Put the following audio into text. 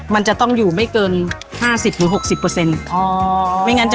มันจะต้องอยู่ไม่เกิน๕๐หรือ๖๐